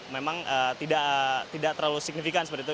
memang tidak terlalu signifikan seperti itu